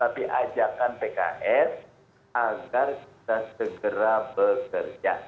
tapi ajakan pks agar kita segera bekerja